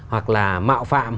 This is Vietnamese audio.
hoặc là mạo phạm